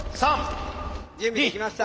準備できました。